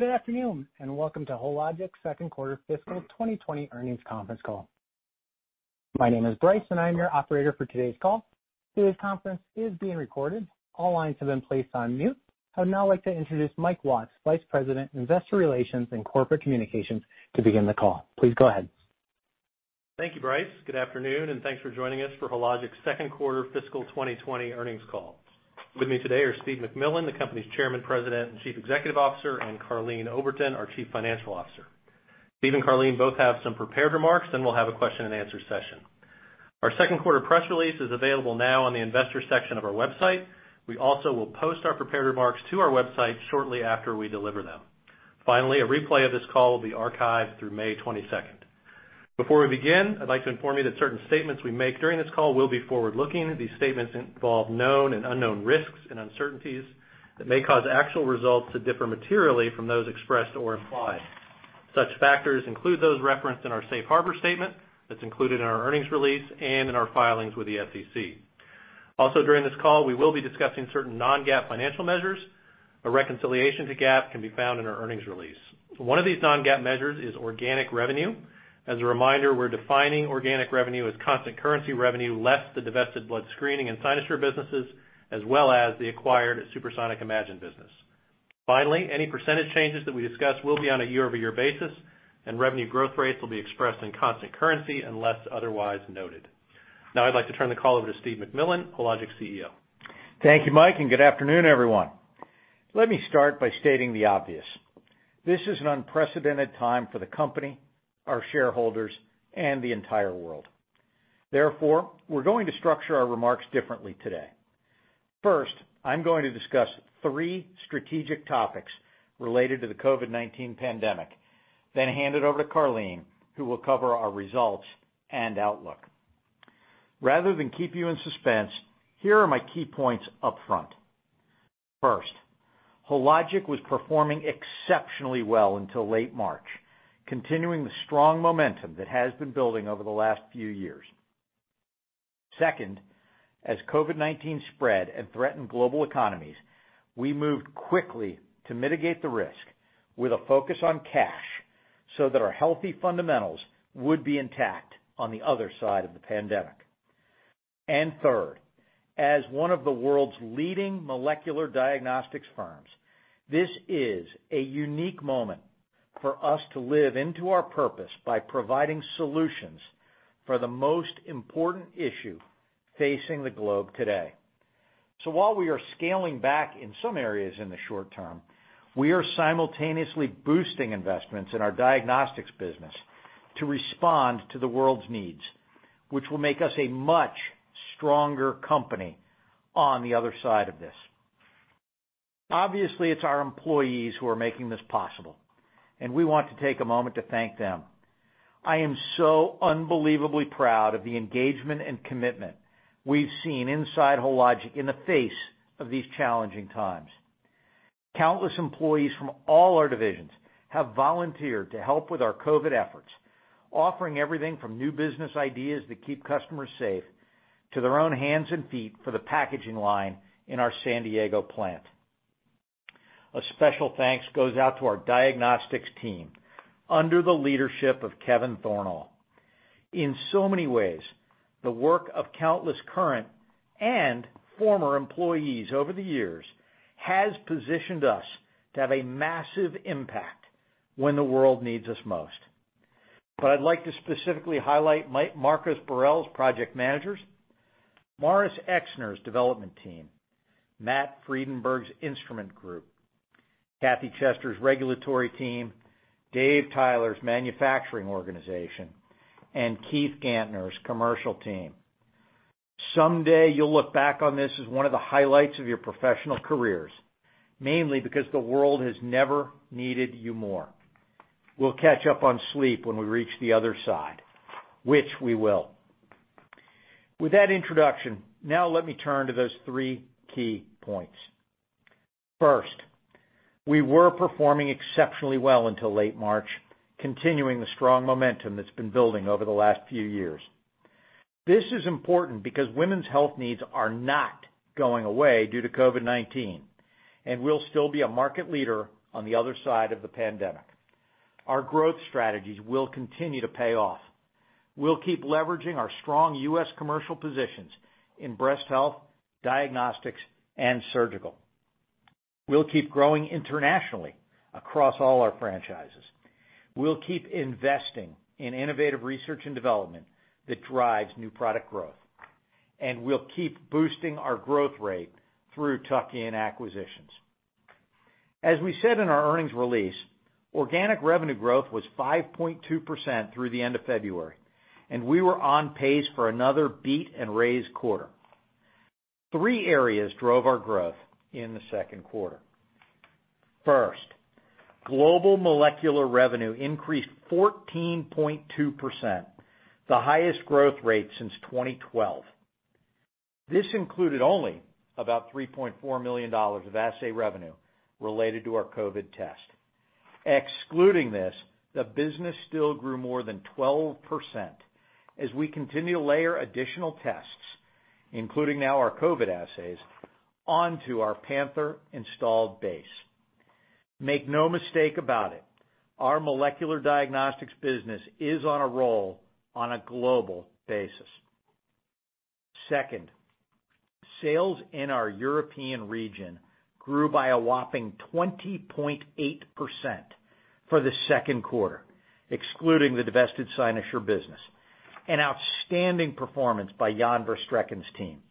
Good afternoon, welcome to Hologic's second quarter fiscal 2020 earnings conference call. My name is Bryce and I'm your operator for today's call. Today's conference is being recorded. All lines have been placed on mute. I would now like to introduce Mike Watts, Vice President, Investor Relations and Corporate Communications to begin the call. Please go ahead. Thank you, Bryce. Good afternoon. Thanks for joining us for Hologic's second quarter fiscal 2020 earnings call. With me today are Steve MacMillan, the company's Chairman, President, and Chief Executive Officer, and Karleen Oberton, our Chief Financial Officer. Steve and Karleen both have some prepared remarks. We'll have a question and answer session. Our second quarter press release is available now on the investor section of our website. We also will post our prepared remarks to our website shortly after we deliver them. Finally, a replay of this call will be archived through May 22nd. Before we begin, I'd like to inform you that certain statements we make during this call will be forward-looking. These statements involve known and unknown risks and uncertainties that may cause actual results to differ materially from those expressed or implied. Such factors include those referenced in our safe harbor statement that's included in our earnings release and in our filings with the SEC. Also, during this call, we will be discussing certain non-GAAP financial measures. A reconciliation to GAAP can be found in our earnings release. One of these non-GAAP measures is organic revenue. As a reminder, we're defining organic revenue as constant currency revenue less the divested blood screening and Cynosure businesses, as well as the acquired SuperSonic Imagine business. Finally, any percentage changes that we discuss will be on a year-over-year basis, and revenue growth rates will be expressed in constant currency unless otherwise noted. Now I'd like to turn the call over to Steve MacMillan, Hologic's CEO. Thank you, Mike. Good afternoon, everyone. Let me start by stating the obvious. This is an unprecedented time for the company, our shareholders, and the entire world. Therefore, we're going to structure our remarks differently today. First, I'm going to discuss three strategic topics related to the COVID-19 pandemic, then hand it over to Karleen, who will cover our results and outlook. Rather than keep you in suspense, here are my key points up front. First, Hologic was performing exceptionally well until late March, continuing the strong momentum that has been building over the last few years. Second, as COVID-19 spread and threatened global economies, we moved quickly to mitigate the risk with a focus on cash so that our healthy fundamentals would be intact on the other side of the pandemic. Third, as one of the world's leading molecular diagnostics firms, this is a unique moment for us to live into our purpose by providing solutions for the most important issue facing the globe today. While we are scaling back in some areas in the short term, we are simultaneously boosting investments in our diagnostics business to respond to the world's needs, which will make us a much stronger company on the other side of this. Obviously, it's our employees who are making this possible, and we want to take a moment to thank them. I am so unbelievably proud of the engagement and commitment we've seen inside Hologic in the face of these challenging times. Countless employees from all our divisions have volunteered to help with our COVID efforts, offering everything from new business ideas to keep customers safe, to their own hands and feet for the packaging line in our San Diego plant. A special thanks goes out to our diagnostics team under the leadership of Kevin Thornal. In so many ways, the work of countless current and former employees over the years has positioned us to have a massive impact when the world needs us most. I'd like to specifically highlight Marcos Burrell's project managers, Maurice Exner's development team, Matt Friedenberg's instrument group, Kathy Chester's regulatory team, Dave Tyler's manufacturing organization, and Keith Gantner's commercial team. Someday you'll look back on this as one of the highlights of your professional careers, mainly because the world has never needed you more. We'll catch up on sleep when we reach the other side, which we will. With that introduction, now let me turn to those three key points. First, we were performing exceptionally well until late March, continuing the strong momentum that's been building over the last few years. This is important because women's health needs are not going away due to COVID-19, and we'll still be a market leader on the other side of the pandemic. Our growth strategies will continue to pay off. We'll keep leveraging our strong U.S. commercial positions in breast health, diagnostics, and surgical. We'll keep growing internationally across all our franchises. We'll keep investing in innovative research and development that drives new product growth, and we'll keep boosting our growth rate through tuck-in acquisitions. As we said in our earnings release, organic revenue growth was 5.2% through the end of February, and we were on pace for another beat and raise quarter. Three areas drove our growth in the second quarter. First, global molecular revenue increased 14.2%, the highest growth rate since 2012. This included only about $3.4 million of assay revenue related to our COVID test. Excluding this, the business still grew more than 12% as we continue to layer additional tests, Including now our COVID assays onto our Panther installed base. Make no mistake about it, our molecular diagnostics business is on a roll on a global basis. Second, sales in our European region grew by a whopping 20.8% for the second quarter, excluding the divested Cynosure business, an outstanding performance by Jan Verstreken's team.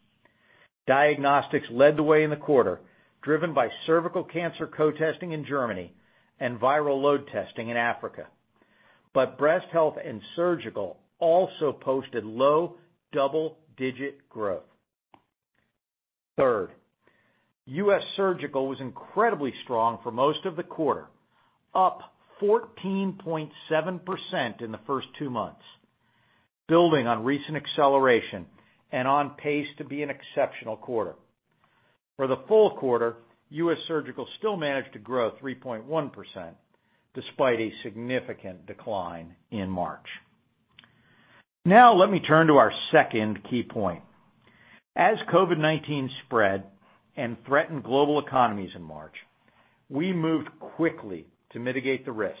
Diagnostics led the way in the quarter, driven by cervical cancer co-testing in Germany and viral load testing in Africa. Breast health and surgical also posted low double-digit growth. Third, U.S. Surgical was incredibly strong for most of the quarter, up 14.7% in the first two months, building on recent acceleration and on pace to be an exceptional quarter. For the full quarter, U.S. Surgical still managed to grow 3.1%, despite a significant decline in March. Now let me turn to our second key point. As COVID-19 spread and threatened global economies in March, we moved quickly to mitigate the risk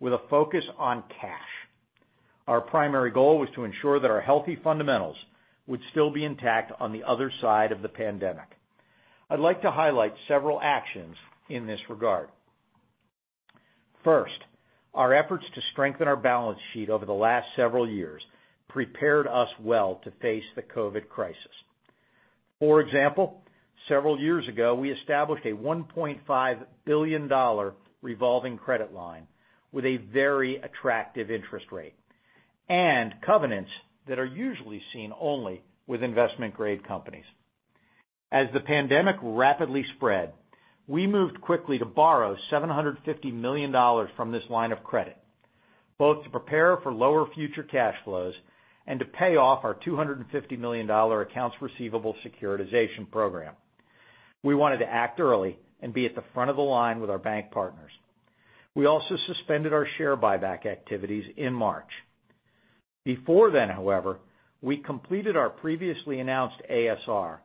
with a focus on cash. Our primary goal was to ensure that our healthy fundamentals would still be intact on the other side of the pandemic. I'd like to highlight several actions in this regard. First, our efforts to strengthen our balance sheet over the last several years prepared us well to face the COVID crisis. For example, several years ago, we established a $1.5 billion revolving credit line with a very attractive interest rate and covenants that are usually seen only with investment-grade companies. As the pandemic rapidly spread, we moved quickly to borrow $750 million from this line of credit, both to prepare for lower future cash flows and to pay off our $250 million accounts receivable securitization program. We wanted to act early and be at the front of the line with our bank partners. We also suspended our share buyback activities in March. Before then, however, we completed our previously announced ASR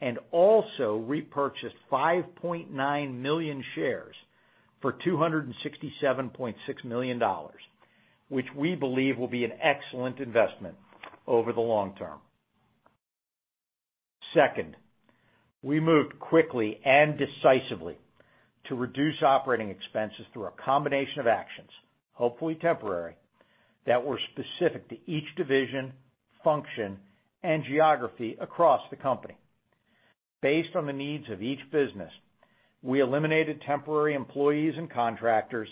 and also repurchased 5.9 million shares for $267.6 million, which we believe will be an excellent investment over the long term. Second, we moved quickly and decisively to reduce operating expenses through a combination of actions, hopefully temporary, that were specific to each division, function, and geography across the company. Based on the needs of each business, we eliminated temporary employees and contractors,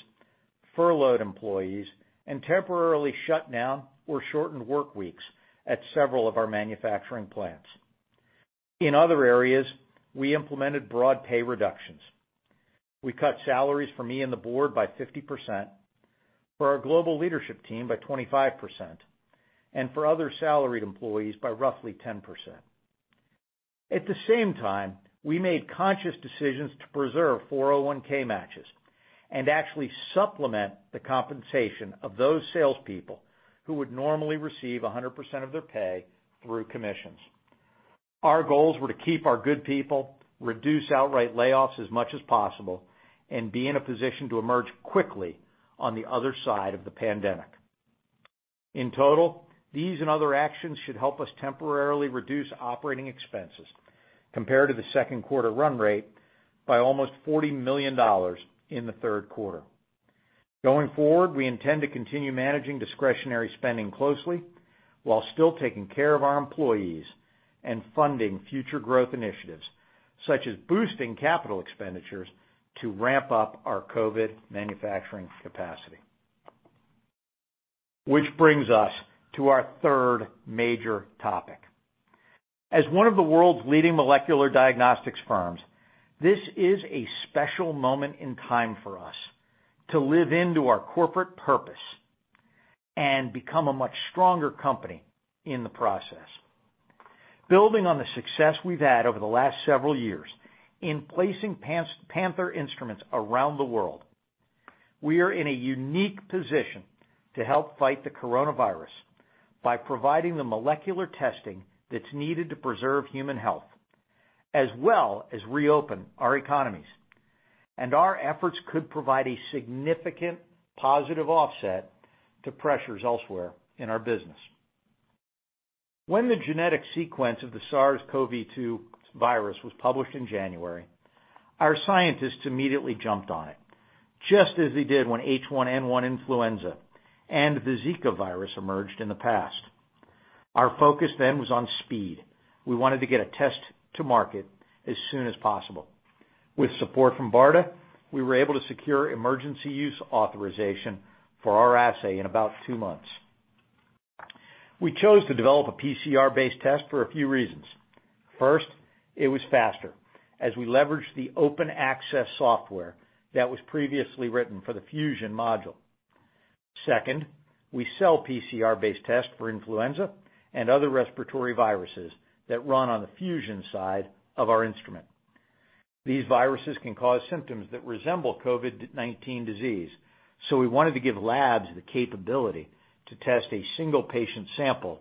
furloughed employees, and temporarily shut down or shortened work weeks at several of our manufacturing plants. In other areas, we implemented broad pay reductions. We cut salaries for me and the board by 50%, for our global leadership team by 25%, and for other salaried employees by roughly 10%. At the same time, we made conscious decisions to preserve 401 matches and actually supplement the compensation of those salespeople who would normally receive 100% of their pay through commissions. Our goals were to keep our good people, reduce outright layoffs as much as possible, and be in a position to emerge quickly on the other side of the pandemic. In total, these and other actions should help us temporarily reduce operating expenses compared to the second quarter run rate by almost $40 million in the third quarter. Going forward, we intend to continue managing discretionary spending closely while still taking care of our employees and funding future growth initiatives, such as boosting capital expenditures to ramp up our COVID manufacturing capacity. Which brings us to our third major topic. As one of the world's leading molecular diagnostics firms, this is a special moment in time for us to live into our corporate purpose and become a much stronger company in the process. Building on the success we've had over the last several years in placing Panther instruments around the world, we are in a unique position to help fight the coronavirus by providing the molecular testing that's needed to preserve human health, as well as reopen our economies. Our efforts could provide a significant positive offset to pressures elsewhere in our business. When the genetic sequence of the SARS-CoV-2 virus was published in January, our scientists immediately jumped on it, just as they did when H1N1 influenza and the Zika virus emerged in the past. Our focus then was on speed. We wanted to get a test to market as soon as possible. With support from BARDA, we were able to secure Emergency Use Authorization for our assay in about two months. We chose to develop a PCR-based test for a few reasons. It was faster, as we leveraged the open access software that was previously written for the Fusion module. We sell PCR-based tests for influenza and other respiratory viruses that run on the Fusion side of our instrument. These viruses can cause symptoms that resemble COVID-19 disease. We wanted to give labs the capability to test a single patient sample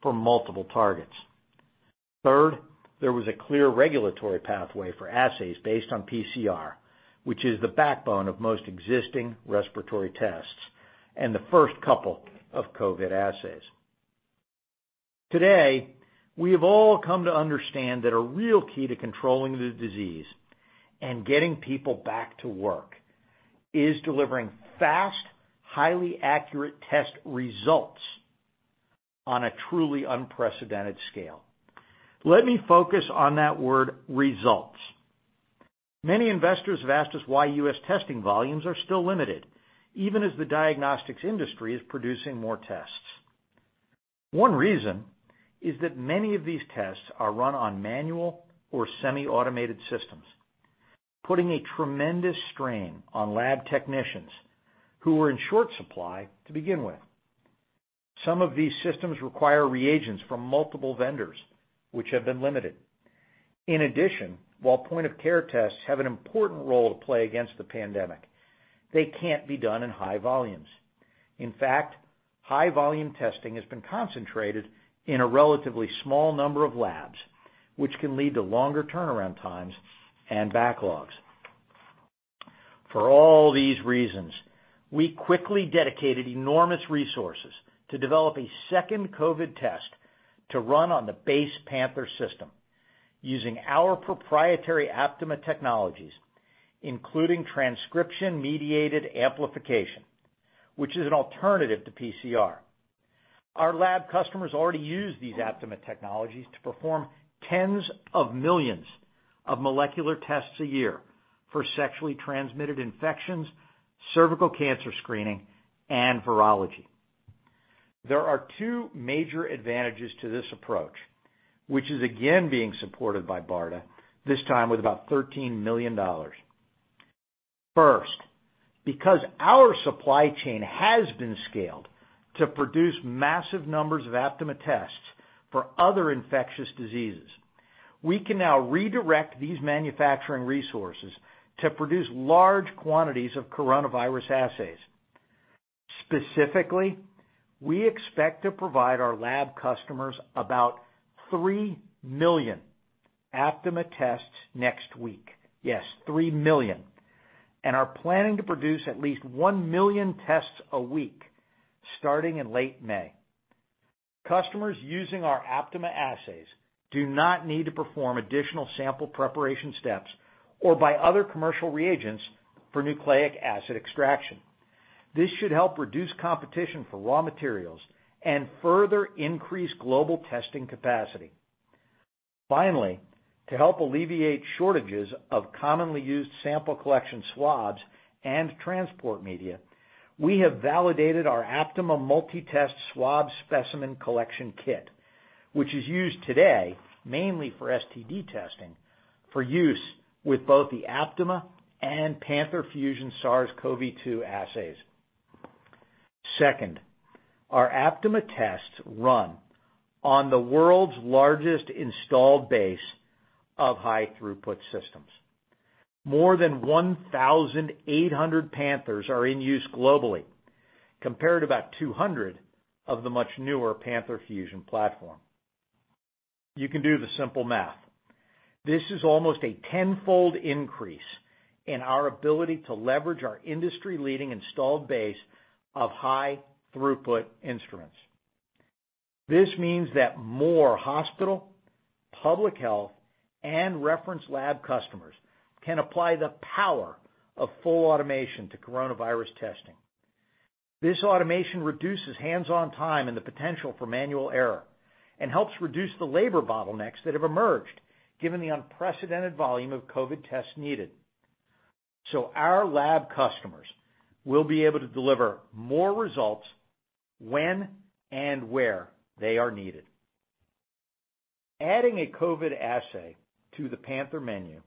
for multiple targets. There was a clear regulatory pathway for assays based on PCR, which is the backbone of most existing respiratory tests and the first couple of COVID assays. Today, we have all come to understand that a real key to controlling the disease and getting people back to work is delivering fast, highly accurate test results on a truly unprecedented scale. Let me focus on that word, results. Many investors have asked us why U.S. testing volumes are still limited, even as the diagnostics industry is producing more tests. One reason is that many of these tests are run on manual or semi-automated systems, putting a tremendous strain on lab technicians who were in short supply to begin with. Some of these systems require reagents from multiple vendors, which have been limited. In addition, while point-of-care tests have an important role to play against the pandemic, they can't be done in high volumes. In fact, high volume testing has been concentrated in a relatively small number of labs, which can lead to longer turnaround times and backlogs. For all these reasons, we quickly dedicated enormous resources to develop a second COVID test to run on the base Panther system using our proprietary Aptima technologies, including transcription-mediated amplification, which is an alternative to PCR. Our lab customers already use these Aptima technologies to perform tens of millions of molecular tests a year for sexually transmitted infections, cervical cancer screening, and virology. There are two major advantages to this approach, which is again being supported by BARDA, this time with about $13 million. First, because our supply chain has been scaled to produce massive numbers of Aptima tests for other infectious diseases, we can now redirect these manufacturing resources to produce large quantities of coronavirus assays. Specifically, we expect to provide our lab customers about 3 million Aptima tests next week. Yes, 3 million, and are planning to produce at least 1 million tests a week starting in late May. Customers using our Aptima assays do not need to perform additional sample preparation steps or buy other commercial reagents for nucleic acid extraction. This should help reduce competition for raw materials and further increase global testing capacity. Finally, to help alleviate shortages of commonly used sample collection swabs and transport media, we have validated our Aptima Multitest Swab Specimen Collection Kit, which is used today mainly for STD testing for use with both the Aptima and Panther Fusion SARS-CoV-2 assays. Our Aptima tests run on the world's largest installed base of high throughput systems. More than 1,800 Panthers are in use globally, compared to about 200 of the much newer Panther Fusion platform. You can do the simple math. This is almost a tenfold increase in our ability to leverage our industry-leading installed base of high throughput instruments. This means that more hospital, public health, and reference lab customers can apply the power of full automation to coronavirus testing. This automation reduces hands-on time and the potential for manual error and helps reduce the labor bottlenecks that have emerged given the unprecedented volume of COVID tests needed. Our lab customers will be able to deliver more results when and where they are needed. Adding a COVID assay to the Panther menu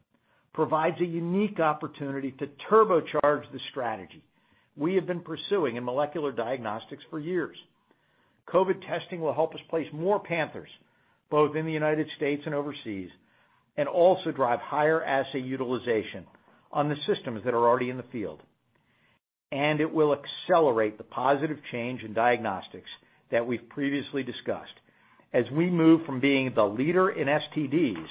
provides a unique opportunity to turbocharge the strategy we have been pursuing in molecular diagnostics for years. COVID testing will help us place more Panthers, both in the United States and overseas, and also drive higher assay utilization on the systems that are already in the field. It will accelerate the positive change in diagnostics that we've previously discussed as we move from being the leader in STDs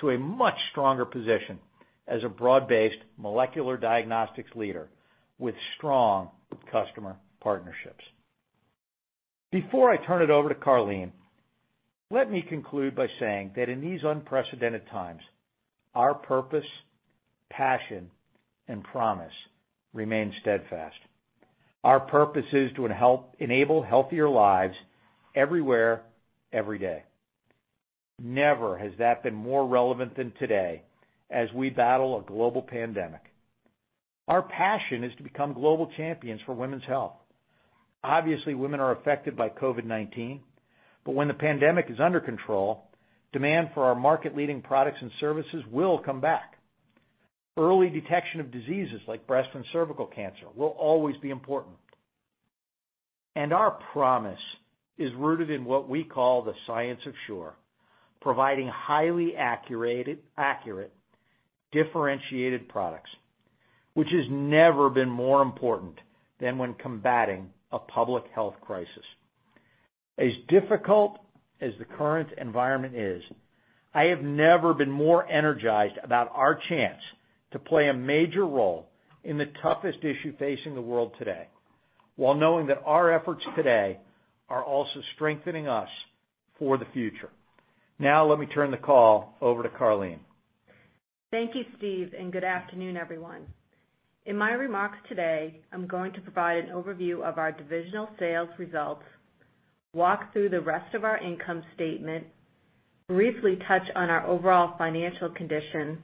to a much stronger position as a broad-based molecular diagnostics leader with strong customer partnerships. Before I turn it over to Karleen, let me conclude by saying that in these unprecedented times, our purpose, passion, and promise remain steadfast. Our purpose is to enable healthier lives everywhere, every day. Never has that been more relevant than today as we battle a global pandemic. Our passion is to become global champions for women's health. Obviously, women are affected by COVID-19, but when the pandemic is under control, demand for our market-leading products and services will come back. Early detection of diseases like breast and cervical cancer will always be important. Our promise is rooted in what we call the science of Sure, providing highly accurate differentiated products, which has never been more important than when combating a public health crisis. As difficult as the current environment is, I have never been more energized about our chance to play a major role in the toughest issue facing the world today, while knowing that our efforts today are also strengthening us for the future. Now, let me turn the call over to Karleen. Thank you, Steve. Good afternoon, everyone. In my remarks today, I'm going to provide an overview of our divisional sales results, walk through the rest of our income statement, briefly touch on our overall financial condition,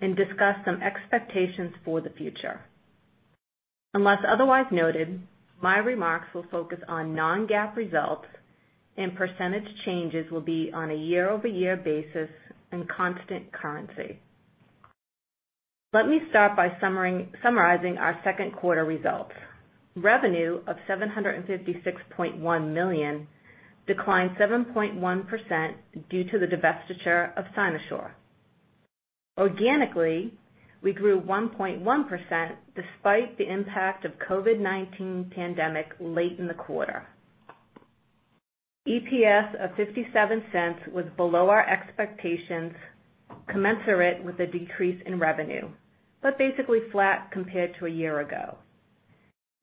and discuss some expectations for the future. Unless otherwise noted, my remarks will focus on non-GAAP results, and percentage changes will be on a year-over-year basis in constant currency. Let me start by summarizing our second quarter results. Revenue of $756.1 million declined 7.1% due to the divestiture of Cynosure. Organically, we grew 1.1% despite the impact of COVID-19 pandemic late in the quarter. EPS of $0.57 was below our expectations, commensurate with a decrease in revenue, but basically flat compared to a year ago.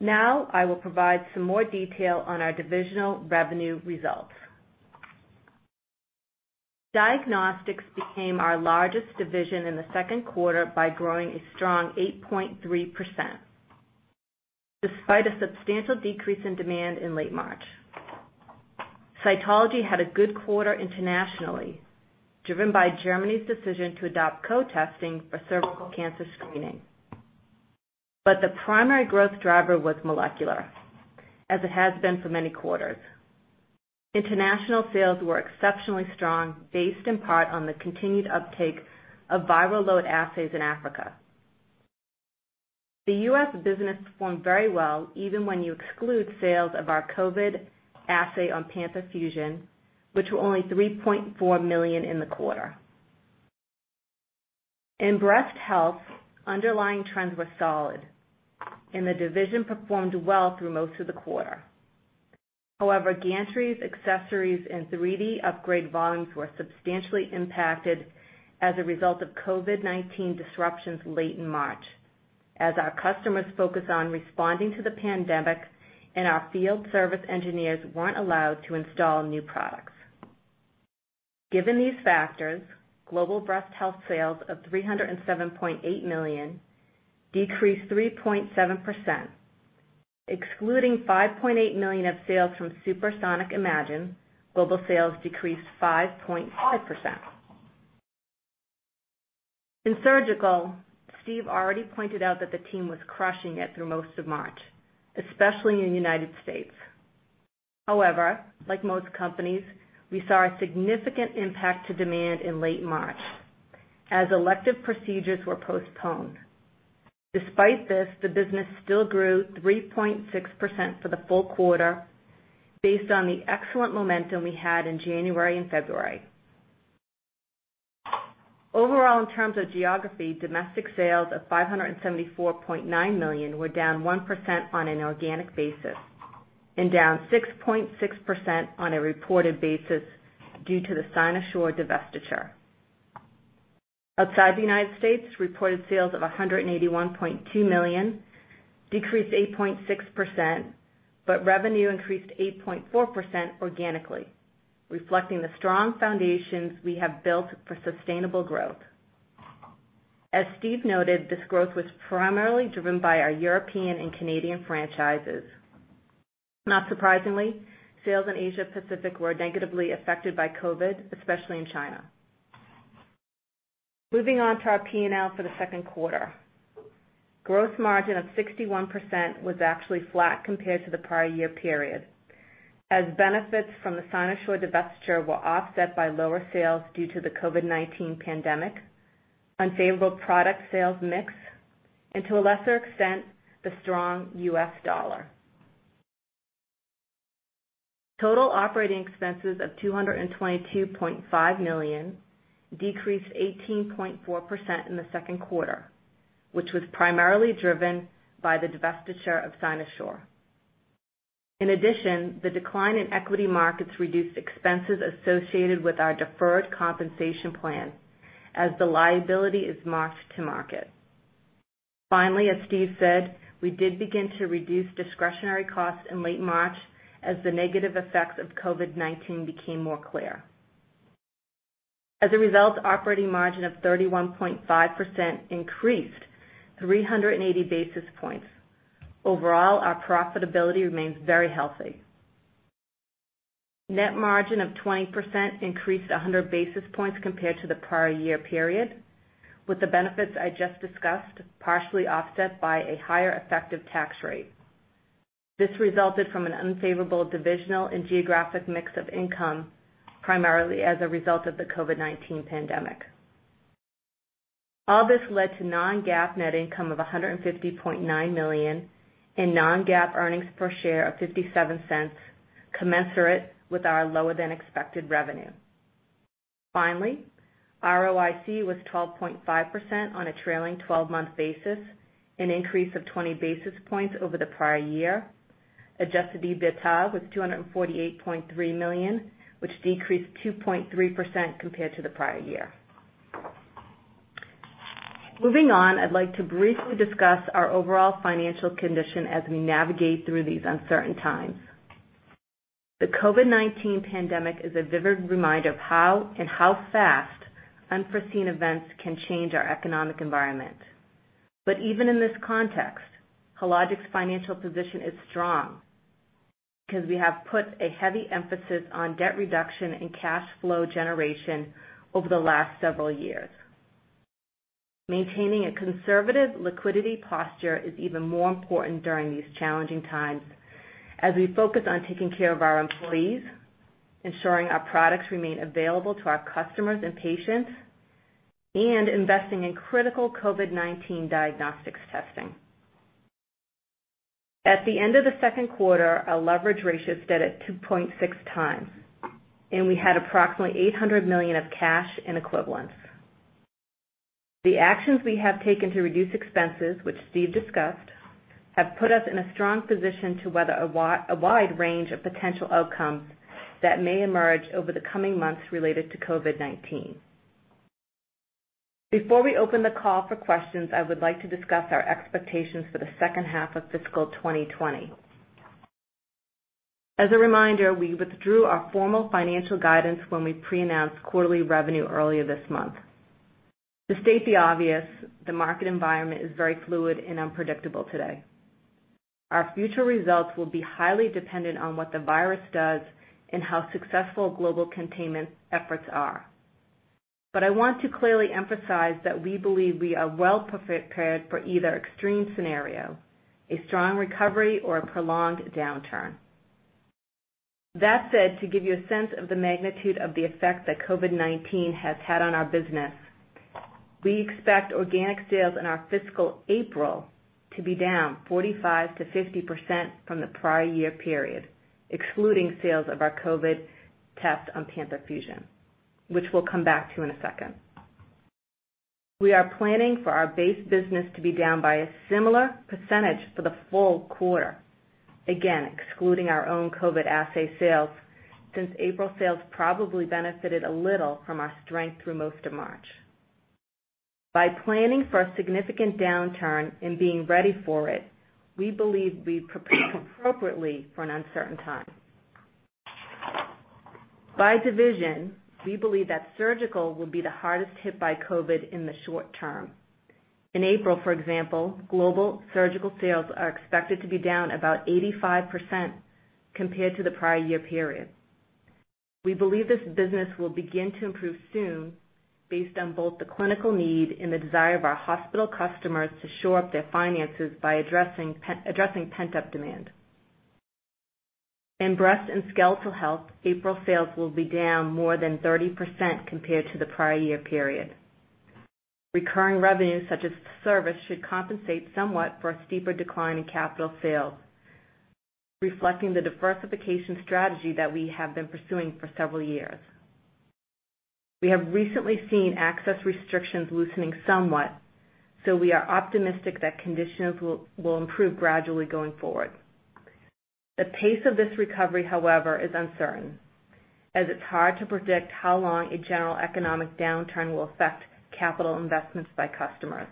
Now I will provide some more detail on our divisional revenue results. Diagnostics became our largest division in the second quarter by growing a strong 8.3%, despite a substantial decrease in demand in late March. Cytology had a good quarter internationally, driven by Germany's decision to adopt co-testing for cervical cancer screening. The primary growth driver was molecular, as it has been for many quarters. International sales were exceptionally strong, based in part on the continued uptake of viral load assays in Africa. The U.S. business performed very well even when you exclude sales of our COVID assay on Panther Fusion, which were only $3.4 million in the quarter. In breast health, underlying trends were solid, and the division performed well through most of the quarter. However, gantries, accessories, and 3D upgrade volumes were substantially impacted as a result of COVID-19 disruptions late in March, as our customers focused on responding to the pandemic and our field service engineers weren't allowed to install new products. Given these factors, global breast health sales of $307.8 million decreased 3.7%. Excluding $5.8 million of sales from SuperSonic Imagine, global sales decreased 5.5%. In surgical, Steve already pointed out that the team was crushing it through most of March, especially in the United States. Like most companies, we saw a significant impact to demand in late March as elective procedures were postponed. Despite this, the business still grew 3.6% for the full quarter based on the excellent momentum we had in January and February. Overall, in terms of geography, domestic sales of $574.9 million were down 1% on an organic basis and down 6.6% on a reported basis due to the Cynosure divestiture. Outside the U.S., reported sales of $181.2 million decreased 8.6%, but revenue increased 8.4% organically, reflecting the strong foundations we have built for sustainable growth. As Steve noted, this growth was primarily driven by our European and Canadian franchises. Not surprisingly, sales in Asia Pacific were negatively affected by COVID, especially in China. Moving on to our P&L for the second quarter. Gross margin of 61% was actually flat compared to the prior year period, as benefits from the Cynosure divestiture were offset by lower sales due to the COVID-19 pandemic, unfavorable product sales mix, and to a lesser extent, the strong U.S. dollar. Total operating expenses of $222.5 million decreased 18.4% in the second quarter, which was primarily driven by the divestiture of Cynosure. The decline in equity markets reduced expenses associated with our deferred compensation plan as the liability is marked to market. As Steve said, we did begin to reduce discretionary costs in late March as the negative effects of COVID-19 became more clear. Operating margin of 31.5% increased 380 basis points. Our profitability remains very healthy. Net margin of 20% increased 100 basis points compared to the prior year period, with the benefits I just discussed partially offset by a higher effective tax rate. This resulted from an unfavorable divisional and geographic mix of income, primarily as a result of the COVID-19 pandemic. All this led to non-GAAP net income of $150.9 million in non-GAAP earnings per share of $0.57, commensurate with our lower-than-expected revenue. Finally, ROIC was 12.5% on a trailing 12-month basis, an increase of 20 basis points over the prior year. Adjusted EBITDA was $248.3 million, which decreased 2.3% compared to the prior year. Moving on, I'd like to briefly discuss our overall financial condition as we navigate through these uncertain times. The COVID-19 pandemic is a vivid reminder of how and how fast unforeseen events can change our economic environment. Even in this context, Hologic's financial position is strong because we have put a heavy emphasis on debt reduction and cash flow generation over the last several years. Maintaining a conservative liquidity posture is even more important during these challenging times as we focus on taking care of our employees, ensuring our products remain available to our customers and patients, and investing in critical COVID-19 diagnostics testing. At the end of the second quarter, our leverage ratio stood at 2.6 times, and we had approximately $800 million of cash in equivalents. The actions we have taken to reduce expenses, which Steve discussed, have put us in a strong position to weather a wide range of potential outcomes that may emerge over the coming months related to COVID-19. Before we open the call for questions, I would like to discuss our expectations for the second half of fiscal 2020. As a reminder, we withdrew our formal financial guidance when we pre-announced quarterly revenue earlier this month. To state the obvious, the market environment is very fluid and unpredictable today. Our future results will be highly dependent on what the virus does and how successful global containment efforts are. I want to clearly emphasize that we believe we are well prepared for either extreme scenario, a strong recovery or a prolonged downturn. That said, to give you a sense of the magnitude of the effect that COVID-19 has had on our business, we expect organic sales in our fiscal April to be down 45%-50% from the prior year period, excluding sales of our COVID test on Panther Fusion, which we'll come back to in a second. We are planning for our base business to be down by a similar percentage for the full quarter, again, excluding our own COVID assay sales, since April sales probably benefited a little from our strength through most of March. By planning for a significant downturn and being ready for it, we believe we've prepared appropriately for an uncertain time. By division, we believe that surgical will be the hardest hit by COVID in the short term. In April, for example, global surgical sales are expected to be down about 85% compared to the prior year period. We believe this business will begin to improve soon based on both the clinical need and the desire of our hospital customers to shore up their finances by addressing pent-up demand. In breast and skeletal health, April sales will be down more than 30% compared to the prior year period. Recurring revenues such as service should compensate somewhat for a steeper decline in capital sales, reflecting the diversification strategy that we have been pursuing for several years. We have recently seen access restrictions loosening somewhat, so we are optimistic that conditions will improve gradually going forward. The pace of this recovery, however, is uncertain, as it's hard to predict how long a general economic downturn will affect capital investments by customers.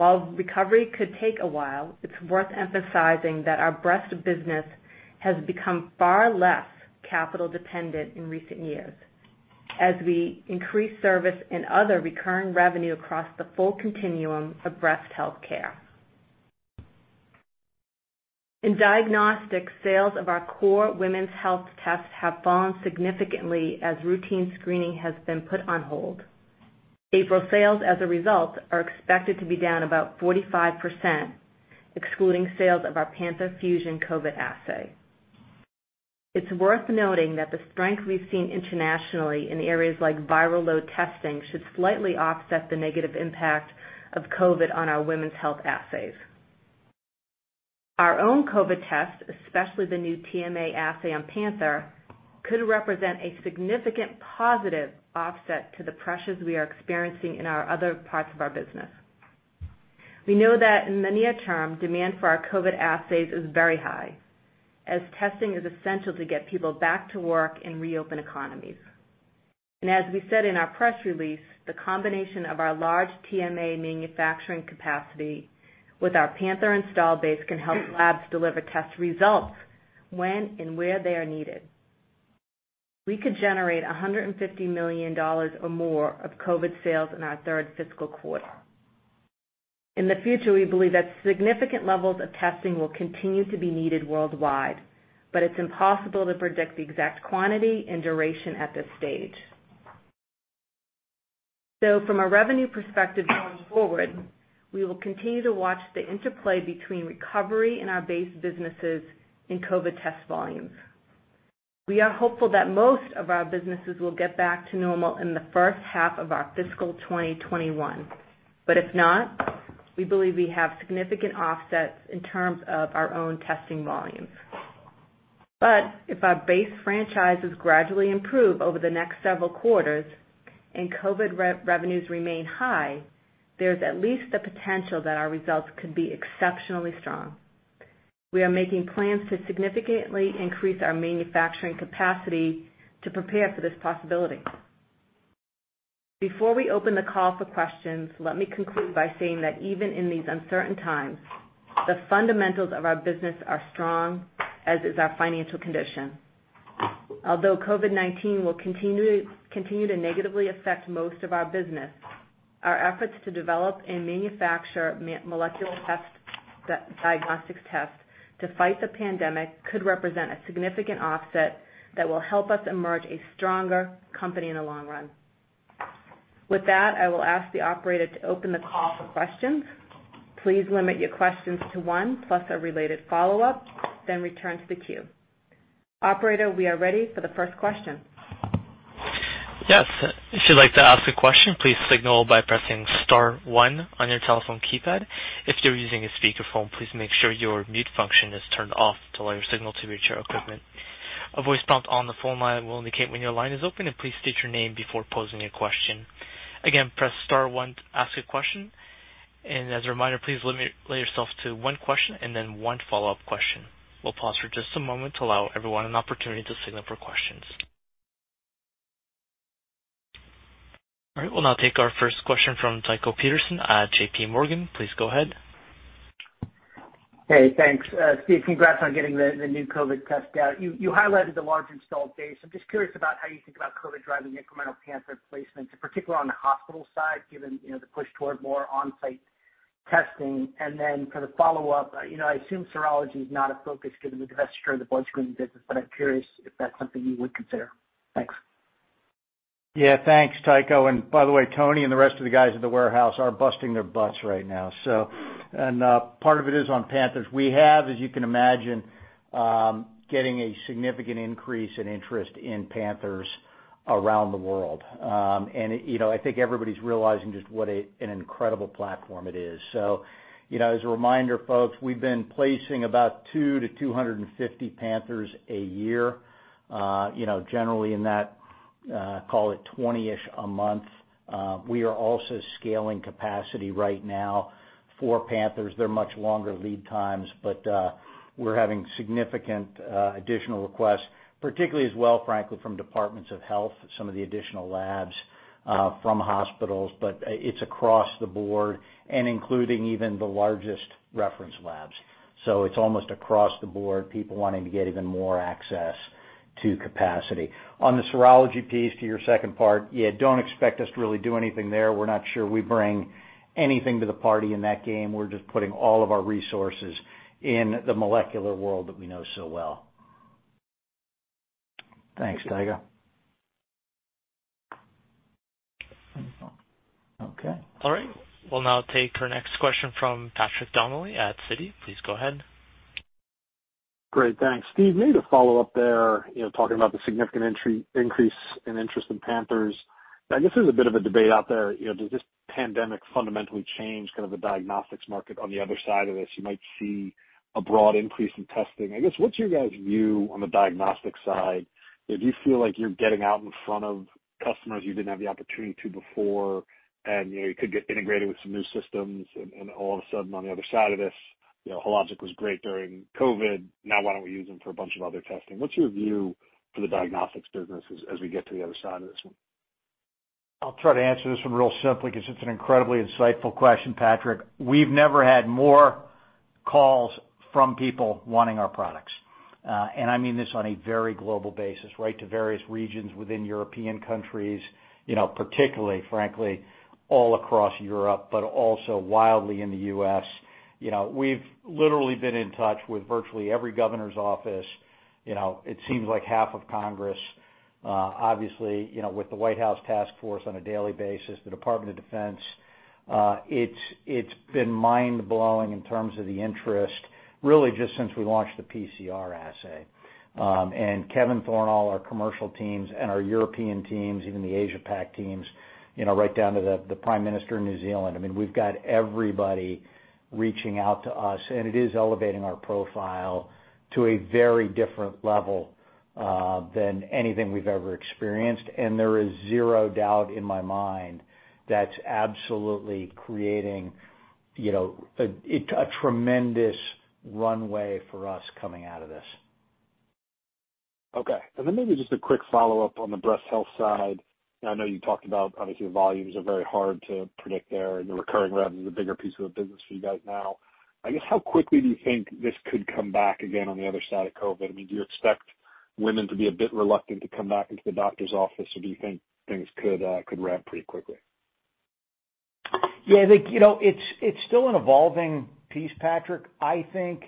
Recovery could take a while, it's worth emphasizing that our breast business has become far less capital dependent in recent years as we increase service and other recurring revenue across the full continuum of breast health care. In diagnostics, sales of our core women's health tests have fallen significantly as routine screening has been put on hold. April sales, as a result, are expected to be down about 45%, excluding sales of our Panther Fusion COVID assay. Worth noting that the strength we've seen internationally in areas like viral load testing should slightly offset the negative impact of COVID on our women's health assays. Our own COVID test, especially the new TMA assay on Panther, could represent a significant positive offset to the pressures we are experiencing in our other parts of our business. We know that in the near term, demand for our COVID assays is very high, as testing is essential to get people back to work and reopen economies. As we said in our press release, the combination of our large TMA manufacturing capacity with our Panther install base can help labs deliver test results when and where they are needed. We could generate $150 million or more of COVID sales in our third fiscal quarter. In the future, we believe that significant levels of testing will continue to be needed worldwide, but it's impossible to predict the exact quantity and duration at this stage. From a revenue perspective going forward, we will continue to watch the interplay between recovery in our base businesses and COVID test volumes. We are hopeful that most of our businesses will get back to normal in the first half of our fiscal 2021. If not, we believe we have significant offsets in terms of our own testing volumes. If our base franchises gradually improve over the next several quarters and COVID revenues remain high, there's at least the potential that our results could be exceptionally strong. We are making plans to significantly increase our manufacturing capacity to prepare for this possibility. Before we open the call for questions, let me conclude by saying that even in these uncertain times, the fundamentals of our business are strong, as is our financial condition. Although COVID-19 will continue to negatively affect most of our business, our efforts to develop and manufacture molecular diagnostic tests to fight the pandemic could represent a significant offset that will help us emerge a stronger company in the long run. With that, I will ask the operator to open the call for questions. Please limit your questions to one plus a related follow-up, then return to the queue. Operator, we are ready for the first question. Yes. If you'd like to ask a question, please signal by pressing star one on your telephone keypad. If you're using a speakerphone, please make sure your mute function is turned off to allow your signal to reach our equipment. A voice prompt on the phone line will indicate when your line is open, and please state your name before posing a question. Again, press star one to ask a question, and as a reminder, please limit yourself to one question and then one follow-up question. We'll pause for just a moment to allow everyone an opportunity to signal for questions. All right, we'll now take our first question from Tycho Peterson at J.P. Morgan. Please go ahead. Hey, thanks. Steve, congrats on getting the new COVID test out. You highlighted the large installed base. I'm just curious about how you think about COVID driving incremental Panther placements, in particular on the hospital side, given the push toward more on-site testing. For the follow-up, I assume serology is not a focus given the divestiture of the blood screening business, but I'm curious if that's something you would consider. Thanks. Yeah, thanks, Tycho. By the way, Tony and the rest of the guys at the warehouse are busting their butts right now. Part of it is on Panthers. We have, as you can imagine, getting a significant increase in interest in Panthers around the world. I think everybody's realizing just what an incredible platform it is. As a reminder, folks, we've been placing about 2 to 250 Panthers a year. Generally in that, call it 20-ish a month. We are also scaling capacity right now for Panthers. They're much longer lead times, but we're having significant additional requests, particularly as well, frankly, from departments of health, some of the additional labs from hospitals, but it's across the board and including even the largest reference labs. It's almost across the board, people wanting to get even more access to capacity. On the serology piece, to your second part, yeah, don't expect us to really do anything there. We're not sure we bring anything to the party in that game. We're just putting all of our resources in the molecular world that we know so well. Thanks, Tycho. Okay. All right. We'll now take our next question from Patrick Donnelly at Citi. Please go ahead. Great. Thanks, Steve. Maybe to follow up there, talking about the significant increase in interest in Panthers. I guess there's a bit of a debate out there, does this pandemic fundamentally change kind of the diagnostics market on the other side of this? You might see a broad increase in testing. I guess, what's your guys view on the diagnostics side? Do you feel like you're getting out in front of customers you didn't have the opportunity to before, and you could get integrated with some new systems and all of a sudden on the other side of this, Hologic was great during COVID, now why don't we use them for a bunch of other testing? What's your view for the diagnostics businesses as we get to the other side of this one? I'll try to answer this one real simply because it's an incredibly insightful question, Patrick. We've never had more calls from people wanting our products. I mean this on a very global basis, right? To various regions within European countries, particularly, frankly, all across Europe, but also wildly in the U.S. We've literally been in touch with virtually every governor's office, it seems like half of Congress, obviously, with the White House task force on a daily basis, the Department of Defense. It's been mind-blowing in terms of the interest, really just since we launched the PCR assay. Kevin Thornal, our commercial teams, and our European teams, even the Asia Pac teams, right down to the prime minister of New Zealand. I mean, we've got everybody reaching out to us, and it is elevating our profile to a very different level than anything we've ever experienced. There is zero doubt in my mind that's absolutely creating a tremendous runway for us coming out of this. Okay. Maybe just a quick follow-up on the breast health side. I know you talked about obviously the volumes are very hard to predict there and the recurring revenue is a bigger piece of the business for you guys now. I guess how quickly do you think this could come back again on the other side of COVID? I mean, do you expect women to be a bit reluctant to come back into the doctor's office or do you think things could ramp pretty quickly? Yeah, I think it's still an evolving piece, Patrick. I think,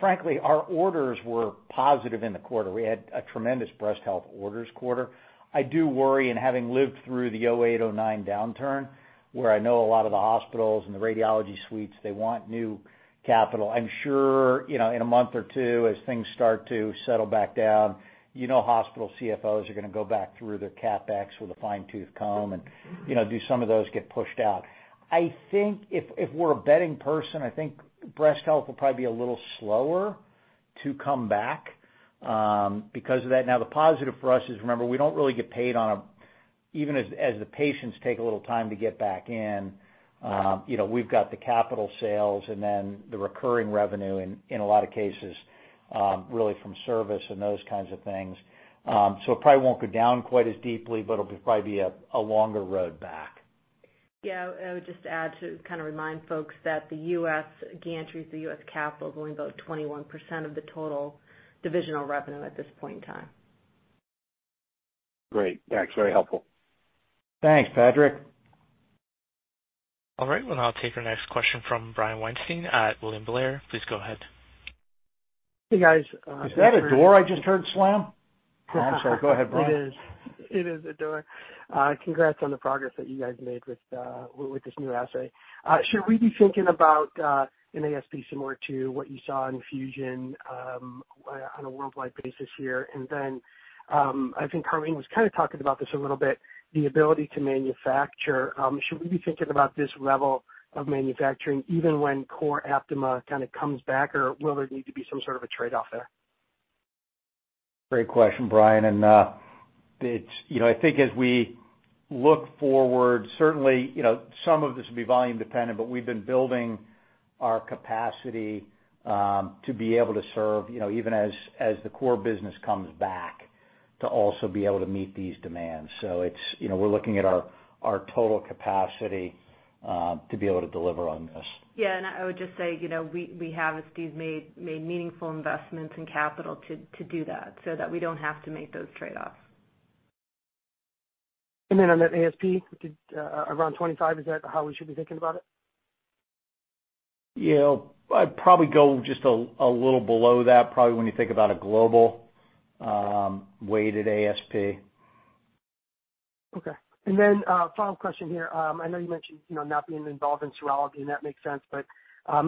frankly, our orders were positive in the quarter. We had a tremendous breast health orders quarter. I do worry, having lived through the 2008-2009 downturn, where I know a lot of the hospitals and the radiology suites, they want new capital. I'm sure, in a month or two, as things start to settle back down, hospital CFOs are going to go back through their CapEx with a fine-tooth comb and do some of those get pushed out. I think if we're a betting person, I think breast health will probably be a little slower to come back because of that. The positive for us is, remember, we don't really get paid on them even as the patients take a little time to get back in. We've got the capital sales and then the recurring revenue in a lot of cases, really from service and those kinds of things. It probably won't go down quite as deeply, but it'll probably be a longer road back. I would just add to kind of remind folks that the U.S. gantries, the U.S. capital is only about 21% of the total divisional revenue at this point in time. Great. That's very helpful. Thanks, Patrick. All right. We'll now take our next question from Brian Weinstein at William Blair. Please go ahead. Hey, guys. Is that a door I just heard slam? I'm sorry. Go ahead, Brian. It is. It is a door. Congrats on the progress that you guys made with this new assay. Should we be thinking about an ASP similar to what you saw in Fusion on a worldwide basis here? I think Karleen was kind of talking about this a little bit, the ability to manufacture. Should we be thinking about this level of manufacturing even when core Aptima kind of comes back? Will there need to be some sort of a trade-off there? Great question, Brian. I think as we look forward, certainly, some of this will be volume dependent, but we've been building our capacity to be able to serve, even as the core business comes back, to also be able to meet these demands. We're looking at our total capacity to be able to deliver on this. Yeah, I would just say, we have, as Steve made meaningful investments in capital to do that so that we don't have to make those trade-offs. On that ASP, around $25, is that how we should be thinking about it? Yeah. I'd probably go just a little below that, probably when you think about a global weighted ASP. Okay. Final question here. I know you mentioned not being involved in serology, and that makes sense, but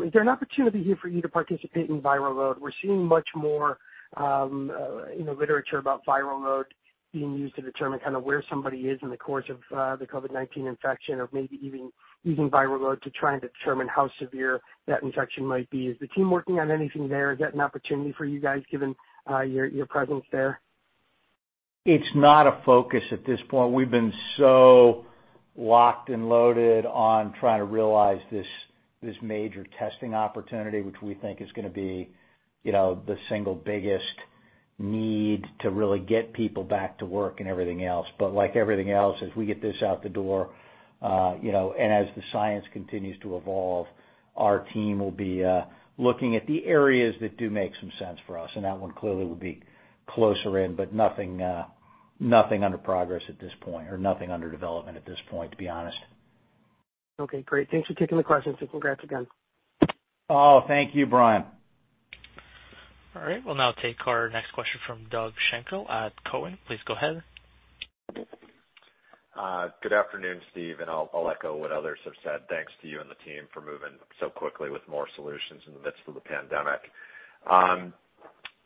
is there an opportunity here for you to participate in viral load? We're seeing much more literature about viral load being used to determine kind of where somebody is in the course of the COVID-19 infection or maybe even using viral load to try and determine how severe that infection might be. Is the team working on anything there? Is that an opportunity for you guys given your presence there? It's not a focus at this point. We've been so locked and loaded on trying to realize this major testing opportunity, which we think is going to be the single biggest need to really get people back to work and everything else. Like everything else, as we get this out the door, and as the science continues to evolve, our team will be looking at the areas that do make some sense for us, and that one clearly will be closer in, but nothing under progress at this point or nothing under development at this point, to be honest. Okay, great. Thanks for taking the questions and congrats again. Oh, thank you, Brian. All right. We'll now take our next question from Doug Schenkel at Cowen. Please go ahead. Good afternoon, Steve. I'll echo what others have said. Thanks to you and the team for moving so quickly with more solutions in the midst of the pandemic.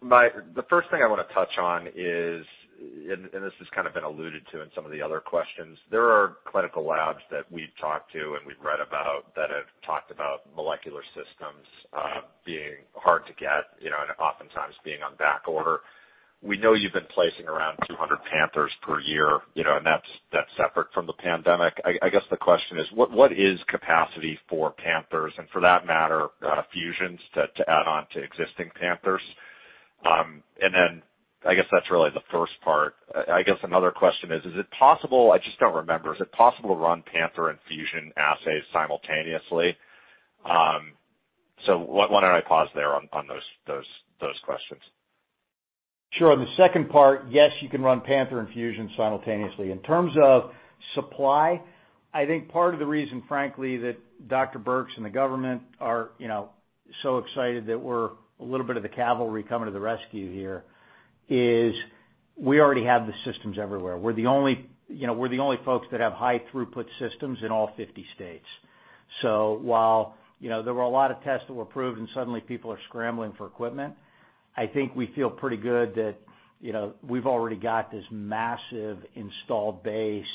The first thing I want to touch on is, this has kind of been alluded to in some of the other questions. There are clinical labs that we've talked to and we've read about that have talked about molecular systems being hard to get and oftentimes being on back order. We know you've been placing around 200 Panthers per year, and that's separate from the pandemic. I guess the question is, what is capacity for Panthers and for that matter, Fusions to add on to existing Panthers? I guess that's really the first part. I guess another question is it possible, I just don't remember. Is it possible to run Panther and Fusion assays simultaneously? Why don't I pause there on those questions? Sure. On the second part, yes, you can run Panther and Fusion simultaneously. In terms of supply, I think part of the reason, frankly, that Dr. Birx and the government are so excited that we're a little bit of the cavalry coming to the rescue here is we already have the systems everywhere. We're the only folks that have high throughput systems in all 50 states. While there were a lot of tests that were approved and suddenly people are scrambling for equipment, I think we feel pretty good that we've already got this massive installed base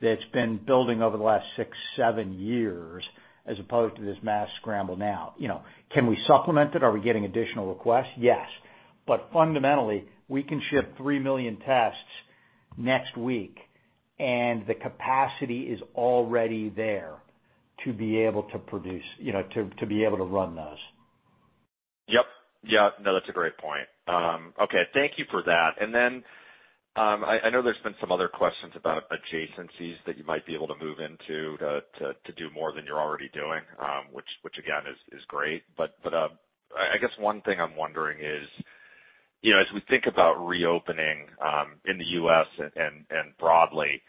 that's been building over the last six, seven years as opposed to this mass scramble now. Can we supplement it? Are we getting additional requests? Yes. Fundamentally, we can ship 3 million tests next week, and the capacity is already there to be able to run those. Yep. No, that's a great point. Okay. Thank you for that. I know there's been some other questions about adjacencies that you might be able to move into to do more than you're already doing. Which, again, is great. I guess one thing I'm wondering is. As we think about reopening, in the U.S. and broadly,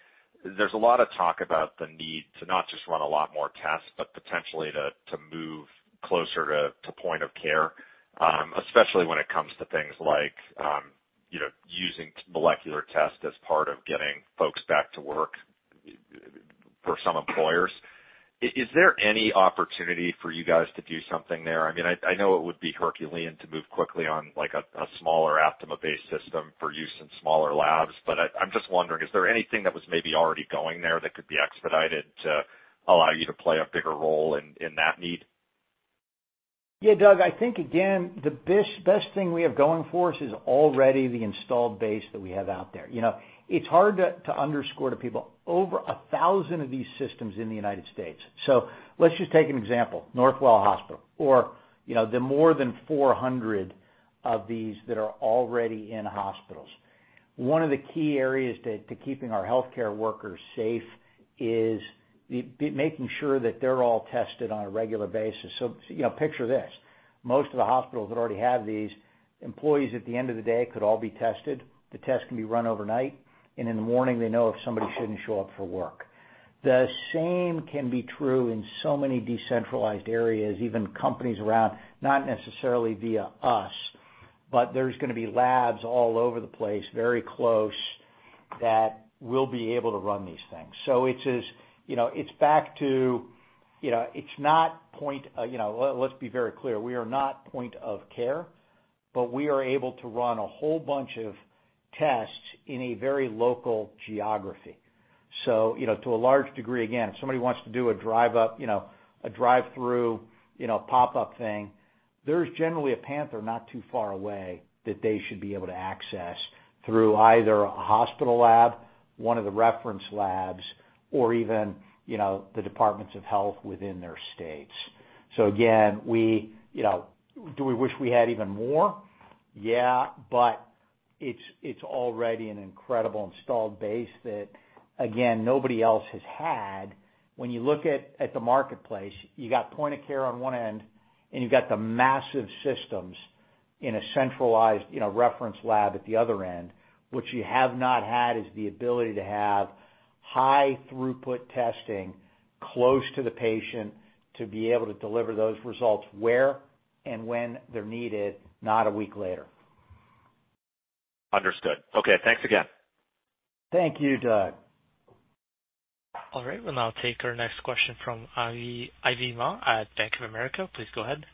there's a lot of talk about the need to not just run a lot more tests, but potentially to move closer to point of care, especially when it comes to things like, using molecular tests as part of getting folks back to work for some employers. Is there any opportunity for you guys to do something there? I know it would be Herculean to move quickly on a smaller Aptima-based system for use in smaller labs. I'm just wondering, is there anything that was maybe already going there that could be expedited to allow you to play a bigger role in that need? Yeah, Doug. I think, again, the best thing we have going for us is already the installed base that we have out there. It's hard to underscore to people, over 1,000 of these systems in the U.S. Let's just take an example, Northwell Health or, the more than 400 of these that are already in hospitals. One of the key areas to keeping our healthcare workers safe is making sure that they're all tested on a regular basis. Picture this, most of the hospitals that already have these, employees at the end of the day could all be tested. The test can be run overnight, and in the morning, they know if somebody shouldn't show up for work. The same can be true in so many decentralized areas, even companies around, not necessarily via us. There's going to be labs all over the place, very close, that will be able to run these things. Let's be very clear, we are not point of care, but we are able to run a whole bunch of tests in a very local geography. To a large degree, again, if somebody wants to do a drive-through pop-up thing, there's generally a Panther not too far away that they should be able to access through either a hospital lab, one of the reference labs, or even, the departments of health within their states. Again, do we wish we had even more? Yeah, but it's already an incredible installed base that, again, nobody else has had. When you look at the marketplace, you got point of care on one end, and you've got the massive systems in a centralized reference lab at the other end. What you have not had is the ability to have high throughput testing close to the patient to be able to deliver those results where and when they're needed, not a week later. Understood. Okay, thanks again. Thank you, Doug. All right. We'll now take our next question from Ivy Ma at Bank of America. Please go ahead.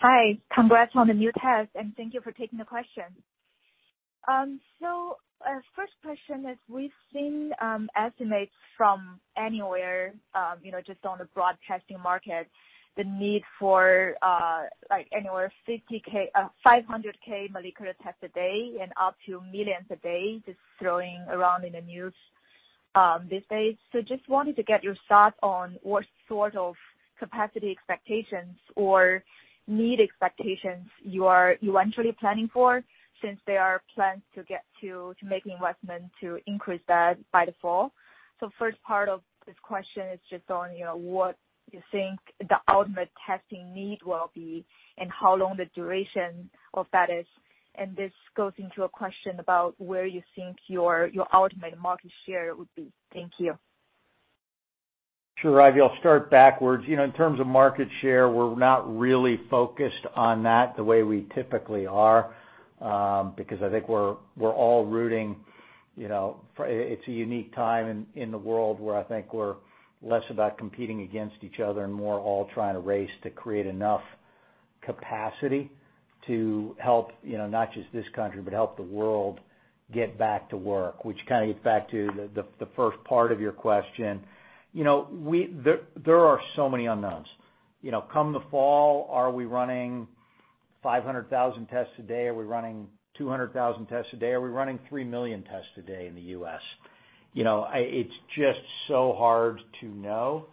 Hi. Congrats on the new test. Thank you for taking the question. First question is, we've seen estimates from anywhere, just on the broad testing market, the need for anywhere 500,000 molecular tests a day and up to millions a day just throwing around in the news these days. Just wanted to get your thoughts on what sort of capacity expectations or need expectations you are eventually planning for, since there are plans to get to making investment to increase that by the fall. First part of this question is just on what you think the ultimate testing need will be and how long the duration of that is, and this goes into a question about where you think your ultimate market share would be. Thank you. Sure, Ivy. I'll start backwards. In terms of market share, we're not really focused on that the way we typically are, because I think we're all rooting. It's a unique time in the world where I think we're less about competing against each other and more all trying to race to create enough capacity to help, not just this country, but help the world get back to work, which kind of gets back to the first part of your question. There are so many unknowns. Come the fall, are we running 500,000 tests a day? Are we running 200,000 tests a day? Are we running 3 million tests a day in the U.S.? It's just so hard to know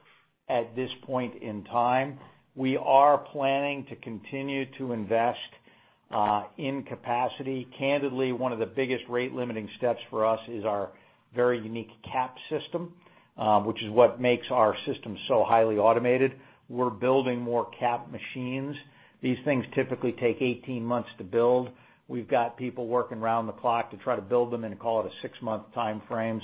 at this point in time. We are planning to continue to invest in capacity. Candidly, one of the biggest rate-limiting steps for us is our very unique CAP system, which is what makes our system so highly automated. We're building more CAP machines. These things typically take 18 months to build. We've got people working around the clock to try to build them in, call it, a six-month timeframe.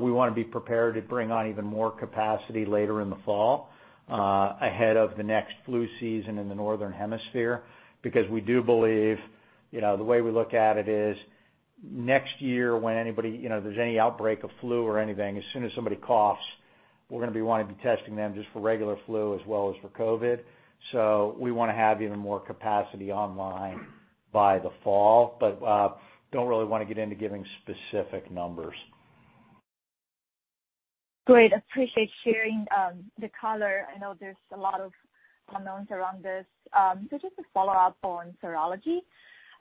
We want to be prepared to bring on even more capacity later in the fall, ahead of the next flu season in the northern hemisphere. We do believe the way we look at it is, next year, when there's any outbreak of flu or anything, as soon as somebody coughs, we're going to be wanting to be testing them just for regular flu as well as for COVID. We want to have even more capacity online by the fall, but don't really want to get into giving specific numbers. Great. Appreciate sharing the color. I know there's a lot of unknowns around this. Just a follow-up on serology.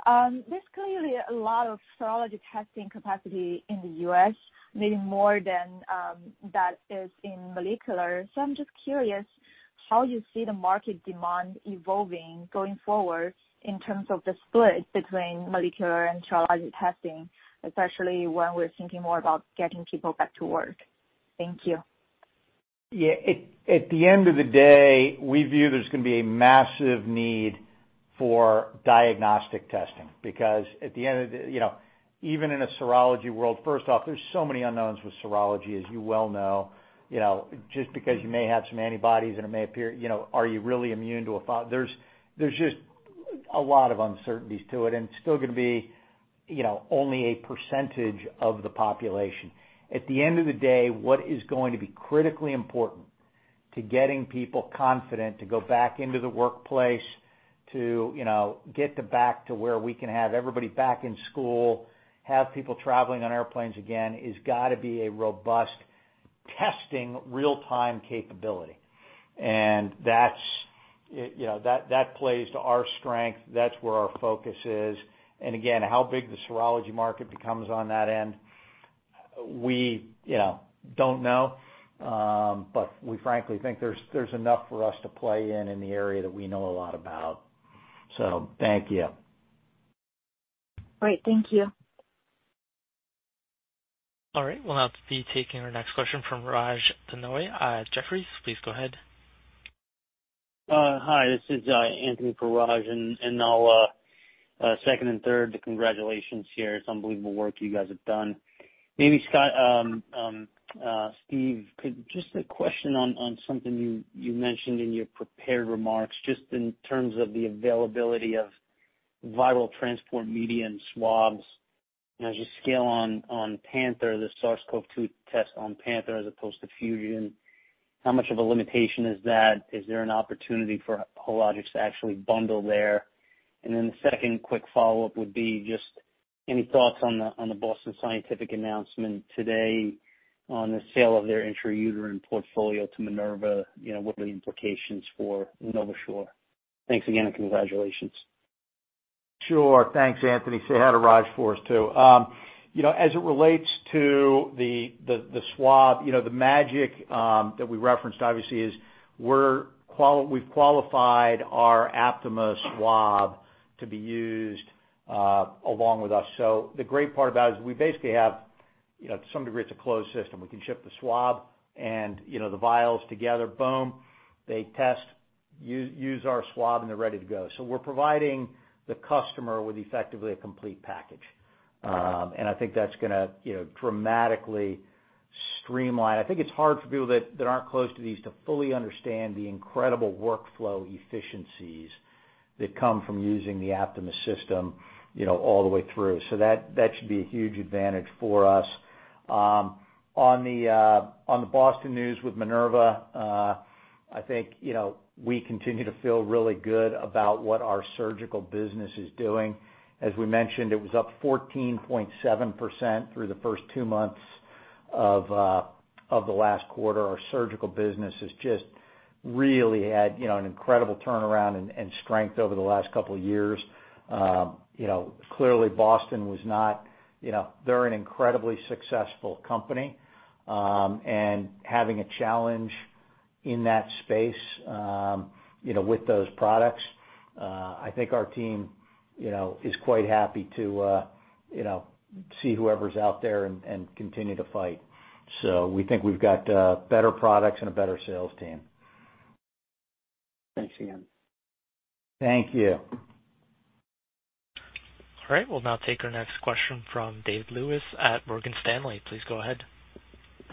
There's clearly a lot of serology testing capacity in the U.S., maybe more than that is in molecular. I'm just curious how you see the market demand evolving going forward in terms of the split between molecular and serology testing, especially when we're thinking more about getting people back to work. Thank you. At the end of the day, we view there's going to be a massive need for diagnostic testing because at the end of the day, even in a serology world, first off, there's so many unknowns with serology, as you well know. Just because you may have some antibodies and it may appear, are you really immune to a follow-up? There's just a lot of uncertainties to it, and it's still going to be only a percentage of the population. At the end of the day, what is going to be critically important to getting people confident to go back into the workplace, to get to back to where we can have everybody back in school, have people traveling on airplanes again, is got to be a robust testing real-time capability. That plays to our strength. That's where our focus is. Again, how big the serology market becomes on that end, we don't know. We frankly think there's enough for us to play in the area that we know a lot about. Thank you. Great. Thank you. All right. We'll now be taking our next question from Raj Denhoy at Jefferies. Please go ahead. Hi, this is Anthony for Raj. I'll second and third the congratulations here. It's unbelievable work you guys have done. Maybe Scott, Steve, could just a question on something you mentioned in your prepared remarks, just in terms of the availability of viral transport media and swabs. As you scale on Panther, the SARS-CoV-2 test on Panther as opposed to Fusion, how much of a limitation is that? Is there an opportunity for Hologic to actually bundle there? The second quick follow-up would be just any thoughts on the Boston Scientific announcement today on the sale of their intrauterine portfolio to Minerva. What are the implications for NovaSure? Thanks again. Congratulations. Sure. Thanks, Anthony. Say hi to Raj for us, too. As it relates to the swab, the magic that we referenced obviously is we've qualified our Aptima swab to be used along with us. The great part about it is we basically have, to some degree, it's a closed system. We can ship the swab and the vials together, boom, they test, use our swab, and they're ready to go. We're providing the customer with effectively a complete package. I think that's going to dramatically streamline. I think it's hard for people that aren't close to these to fully understand the incredible workflow efficiencies that come from using the Aptima system all the way through. That should be a huge advantage for us. On the Boston news with Minerva, I think, we continue to feel really good about what our surgical business is doing. As we mentioned, it was up 14.7% through the first two months of the last quarter. Our surgical business has just really had an incredible turnaround and strength over the last couple of years. Boston, they're an incredibly successful company, and having a challenge in that space with those products, I think our team is quite happy to see whoever's out there and continue to fight. We think we've got better products and a better sales team. Thanks again. Thank you. All right. We'll now take our next question from David Lewis at Morgan Stanley. Please go ahead.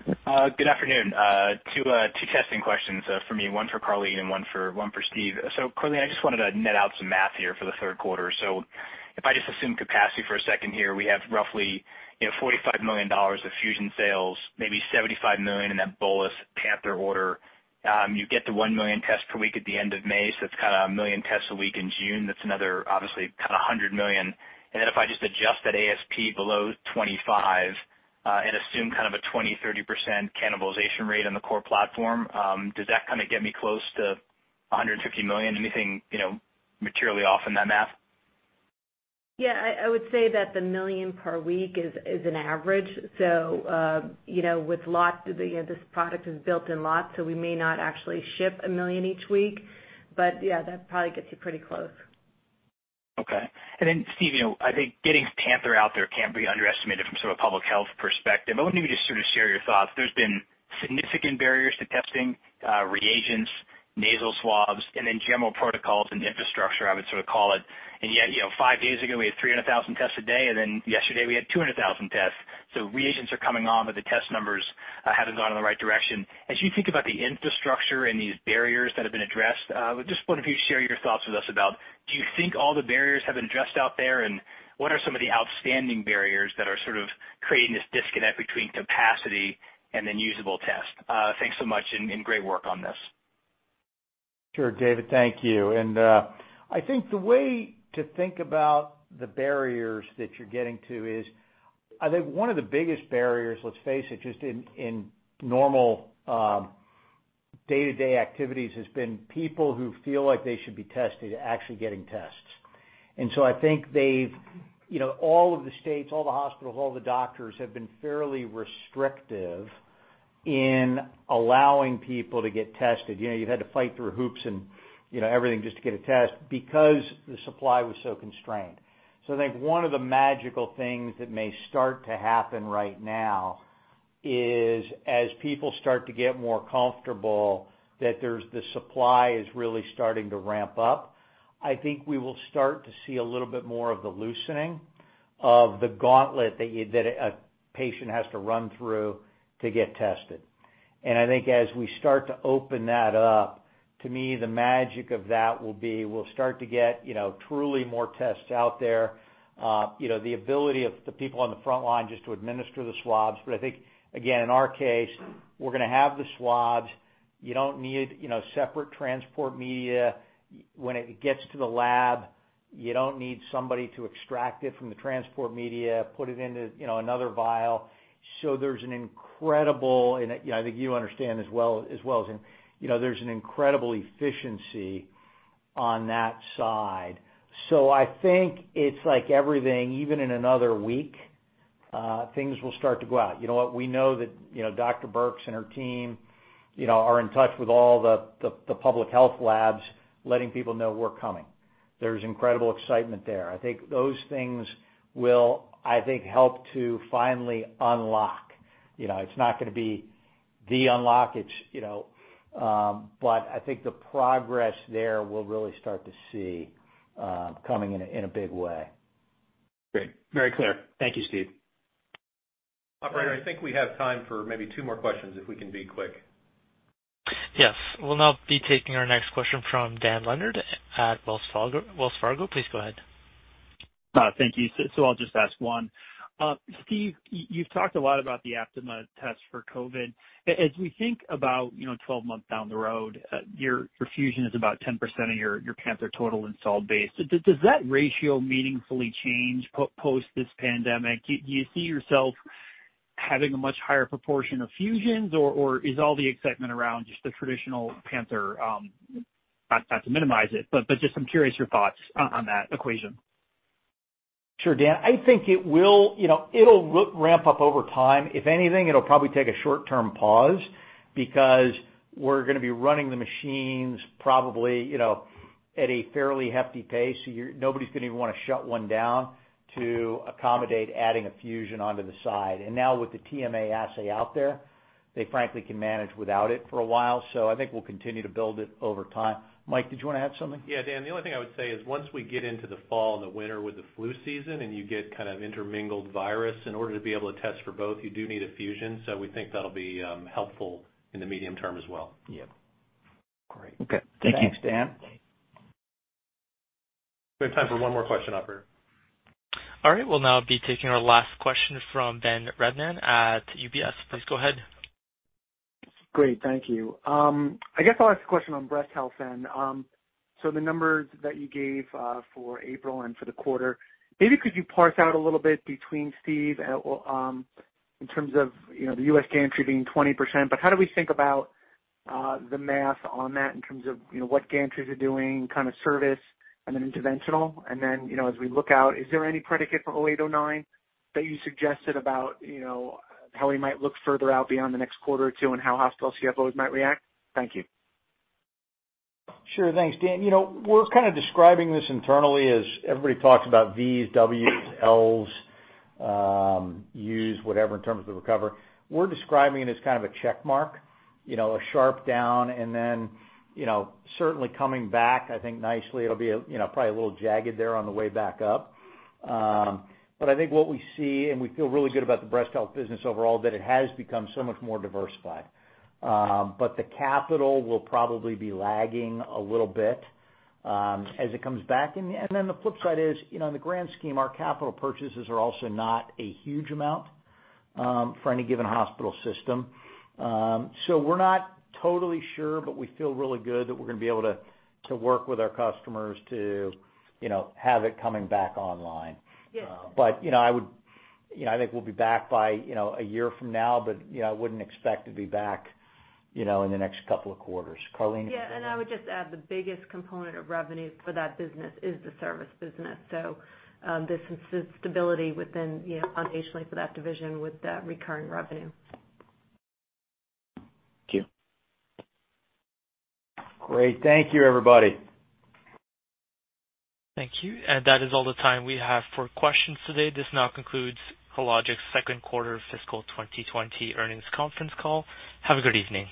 Good afternoon. Two testing questions for me, one for Karleen and one for Steve. Karleen, I just wanted to net out some math here for the third quarter. If I just assume capacity for a second here, we have roughly $45 million of Fusion sales, maybe $75 million in that bolus Panther order. You get the 1 million tests per week at the end of May. That's kind of a 1 million tests a week in June. That's another obviously kind of $100 million. If I just adjust that ASP below $25 and assume kind of a 20%-30% cannibalization rate on the core platform, does that kind of get me close to $150 million? Anything materially off in that math? Yeah, I would say that the 1 million per week is an average. This product is built in lots, so we may not actually ship 1 million each week. Yeah, that probably gets you pretty close. Okay. Steve, I think getting Panther out there can't be underestimated from sort of public health perspective. I wonder if you could just sort of share your thoughts. There's been significant barriers to testing, reagents, nasal swabs, and then general protocols and infrastructure, I would sort of call it. Five days ago, we had 300,000 tests a day, and then yesterday we had 200,000 tests. Reagents are coming on, but the test numbers haven't gone in the right direction. As you think about the infrastructure and these barriers that have been addressed, I just wonder if you'd share your thoughts with us about, do you think all the barriers have been addressed out there, and what are some of the outstanding barriers that are sort of creating this disconnect between capacity and then usable tests? Thanks so much, and great work on this. Sure, David. Thank you. I think the way to think about the barriers that you're getting to is, I think one of the biggest barriers, let's face it, just in normal day-to-day activities, has been people who feel like they should be tested are actually getting tests. I think all of the states, all the hospitals, all the doctors have been fairly restrictive in allowing people to get tested. You've had to fight through hoops and everything just to get a test because the supply was so constrained. I think one of the magical things that may start to happen right now is as people start to get more comfortable that the supply is really starting to ramp up, I think we will start to see a little bit more of the loosening of the gauntlet that a patient has to run through to get tested. I think as we start to open that up, to me, the magic of that will be we'll start to get truly more tests out there. The ability of the people on the front line just to administer the swabs. I think, again, in our case, we're going to have the swabs. You don't need separate transport media. When it gets to the lab, you don't need somebody to extract it from the transport media, put it into another vial. There's an incredible, and I think you understand as well, there's an incredible efficiency on that side. I think it's like everything, even in another week, things will start to go out. You know what. We know that Dr. Birx and her team are in touch with all the public health labs, letting people know we're coming. There's incredible excitement there. I think those things will help to finally unlock. It's not going to be the unlock. I think the progress there we'll really start to see coming in a big way. Great. Very clear. Thank you, Steve. Operator, I think we have time for maybe two more questions if we can be quick. Yes. We'll now be taking our next question from Dan Leonard at Wells Fargo. Please go ahead. Thank you. I'll just ask one. Steve, you've talked a lot about the Aptima test for COVID. As we think about 12 months down the road, your Fusion is about 10% of your Panther total installed base. Does that ratio meaningfully change post this pandemic? Do you see yourself having a much higher proportion of Fusions? Or is all the excitement around just the traditional Panther? Not to minimize it, but just I'm curious your thoughts on that equation. Sure, Dan. I think it'll ramp up over time. If anything, it'll probably take a short-term pause because we're going to be running the machines probably at a fairly hefty pace. Nobody's going to even want to shut one down to accommodate adding a Fusion onto the side. Now with the TMA assay out there, they frankly can manage without it for a while. I think we'll continue to build it over time. Mike, did you want to add something? Yeah, Dan, the only thing I would say is once we get into the fall and the winter with the flu season, and you get kind of intermingled virus, in order to be able to test for both, you do need a Fusion. We think that'll be helpful in the medium term as well. Yeah. Great. Okay. Thank you. Thanks, Dan. We have time for one more question, operator. All right. We'll now be taking our last question from Ben Rebmann at UBS. Please go ahead. Great. Thank you. I guess I'll ask a question on breast health then. The numbers that you gave for April and for the quarter, maybe could you parse out a little bit between, Steve, in terms of the U.S. gantry being 20%, how do we think about the math on that in terms of what gantries are doing, kind of service and then interventional? As we look out, is there any predicate we don't knowing that you suggested about how we might look further out beyond the next quarter or two and how hospital CFOs might react? Thank you. Sure. Thanks, Dan. We're kind of describing this internally as everybody talks about Vs, Ws, Ls, Us, whatever, in terms of the recovery. We're describing it as kind of a check mark, a sharp down, and then certainly coming back, I think nicely. It'll be probably a little jagged there on the way back up. I think what we see, and we feel really good about the breast health business overall, that it has become so much more diversified. The capital will probably be lagging a little bit as it comes back. The flip side is, in the grand scheme, our capital purchases are also not a huge amount for any given hospital system. We're not totally sure, but we feel really good that we're going to be able to work with our customers to have it coming back online. I think we'll be back by a year from now, but I wouldn't expect to be back in the next couple of quarters. Karleen? Yeah, I would just add the biggest component of revenue for that business is the service business. There's some stability within foundationally for that division with that recurring revenue. Thank you. Great. Thank you, everybody. Thank you. That is all the time we have for questions today. This now concludes Hologic's second quarter fiscal 2020 earnings conference call. Have a good evening.